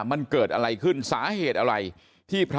มันเกิดอะไรขึ้นสาเหตุอะไรที่พระ